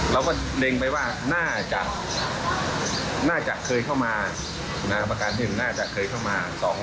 เราก็เร่งไปว่าน่าจะเคยเข้ามาประการ๑น่าจะเคยเข้ามา